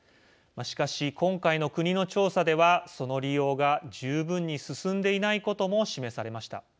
しかし、今回の国の調査ではその利用が十分に進んでいないことも示されました。